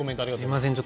すいません。